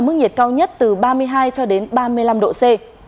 nhiệt độ cao nhất từ ba mươi hai cho đến ba mươi năm độ c